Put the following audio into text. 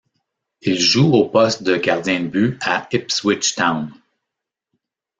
Il joue au poste de gardien de but à Ipswich Town.